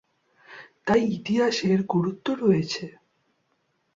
তাই ইতিহাসে এর গুরুত্ব রয়েছে।